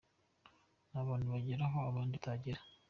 Ni abantu bagera aho abandi batagera.